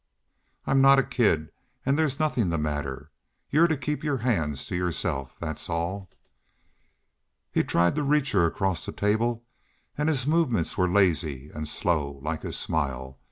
"I'm not a kid. And there's nothin' the matter. Y'u're to keep your hands to yourself, that's all." He tried to reach her across the table, and his movements were lazy and slow, like his smile.